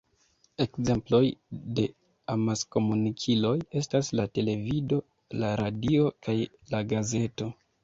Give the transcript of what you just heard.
Ekzemploj de amaskomunikiloj estas la televido, la radio, kaj la gazeto.